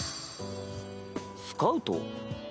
スカウト？